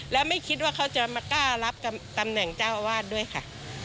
แล้วไม่คิดว่าเขาจะมากล้ารับตำแหน่งเจ้าอาวาสด้วยค่ะ